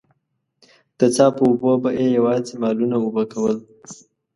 د څاه په اوبو به يې يواځې مالونه اوبه کول.